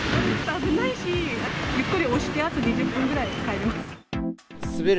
危ないし、ゆっくり押して、あと２０分ぐらいで帰ります。